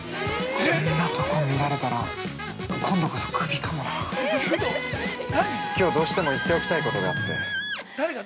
こんなとこ見られたら今度こそ、首かもなきょう、どうしても言っておきたいことがあって。